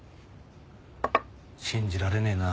信じられねえな。